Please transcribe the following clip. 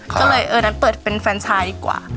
ก็เลยเอองั้นเปิดเป็นแฟนชายดีกว่า